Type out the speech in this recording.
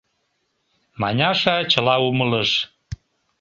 Маняша чыла умылыш.